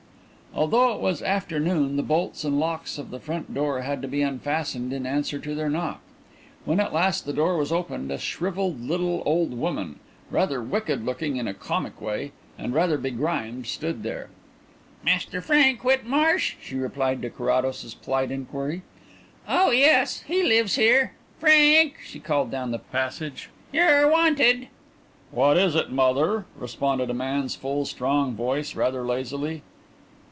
Although it was afternoon the bolts and locks of the front door had to be unfastened in answer to their knock. When at last the door was opened a shrivelled little old woman, rather wicked looking in a comic way, and rather begrimed, stood there. "Mr Frank Whitmarsh?" she replied to Carrados's polite inquiry; "oh yes, he lives here. Frank," she called down the passage, "you're wanted." "What is it, mother?" responded a man's full, strong voice rather lazily.